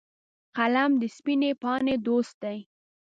قلم د سپینې پاڼې دوست دی